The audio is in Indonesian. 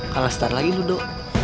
kalah start lagi tuh do